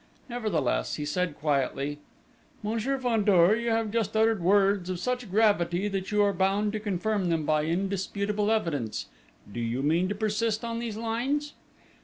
Nevertheless, he said quietly: "Monsieur Fandor, you have just uttered words of such gravity that you are bound to confirm them by indisputable evidence. Do you mean to persist on these lines?"